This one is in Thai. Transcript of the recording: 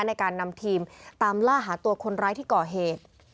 ในการนำทีมตามล่าหาตัวคนร้ายที่ก่อเหตุ